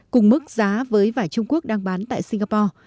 cùng mức giá với vải trung quốc đang bán tại singapore